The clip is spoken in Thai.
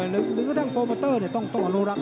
แล้วก็ต้องมอเมอร์เตอร์น่ะ